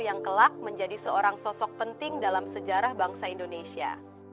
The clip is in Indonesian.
yang kelak menjadi seorang sosok penting dalam sejarah bangsa indonesia